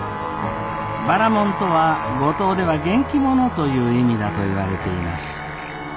ばらもんとは五島では元気者という意味だといわれています。